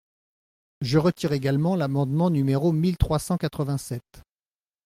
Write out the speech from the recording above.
Je retire également l’amendement numéro mille trois cent quatre-vingt-sept.